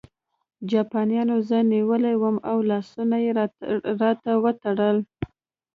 جاپانیانو زه نیولی وم او لاسونه یې راته وتړل